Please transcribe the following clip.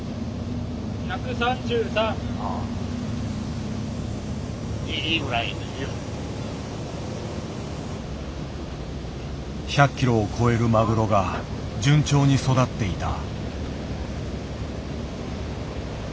ああ１００ｋｇを超えるマグロが順調に育っていた。